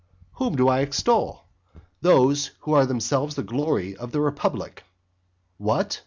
Whom do I extol? Those who are themselves the glory of the republic. What?